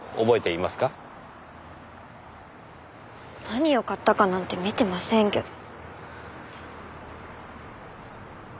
何を買ったかなんて見てませんけど。